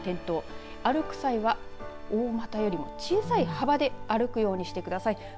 歩く際は大またよりも小さい幅で歩くようにしてください。